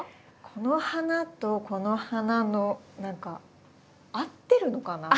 この花とこの花の何か合ってるのかな？